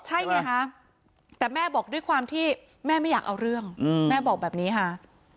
ใช่ไงคะแต่แม่บอกด้วยความที่แม่ไม่อยากเอาเรื่องแม่บอกแบบนี้ค่ะ